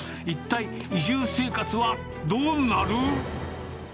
一体、移住生活はどうなる？